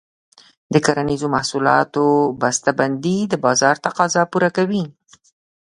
د کرنیزو محصولاتو بسته بندي د بازار تقاضا پوره کوي.